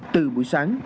từ buổi sáng